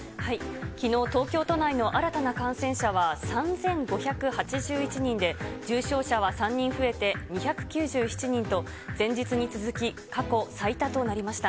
きのう、東京都内の新たな感染者は３５８１人で、重症者は３人増えて２９７人と、前日に続き過去最多となりました。